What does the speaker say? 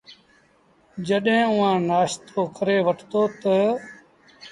جڏهيݩٚ اُئآݩٚ نآشتو ڪري وٺتو تا